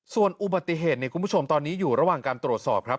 ส่วนอุบัติเหตุคุณผู้ชมตอนนี้อยู่ระหว่างการตรวจสอบครับ